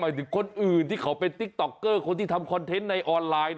ถึงคนอื่นที่เขาเป็นติ๊กต๊อกเกอร์คนที่ทำคอนเทนต์ในออนไลน์